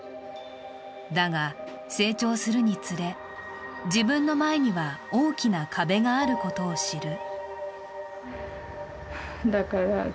だが、成長するにつれ、自分の前には大きな壁があることを知る。